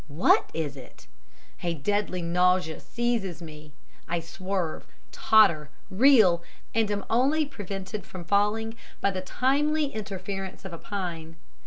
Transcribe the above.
WHAT is it? A deadly nausea seizes me, I swerve, totter, reel, and am only prevented from falling by the timely interference of a pine.